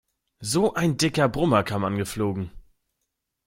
So ein dicker Brummer kam angeflogen.